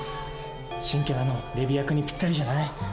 新キャラのレビ役にぴったりじゃない？